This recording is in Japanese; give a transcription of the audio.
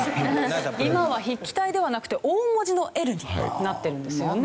今は筆記体ではなくて大文字のＬになってるんですよね。